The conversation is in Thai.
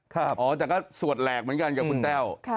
อ๋อแต่ก็สวดแหลกเหมือนกันกับคุณแต้ว